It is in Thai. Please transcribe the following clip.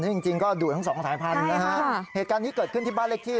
จริงจริงก็ดูดทั้งสองสายพันธุ์นะฮะเหตุการณ์นี้เกิดขึ้นที่บ้านเลขที่